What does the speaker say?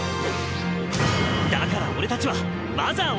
だから俺たちはマザーを目指す！